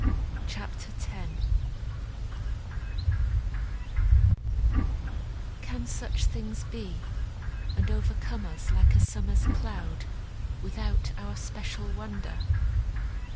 CHAPTER X Can such things be, And overcome us like a summer's cloud, Without our special wonder?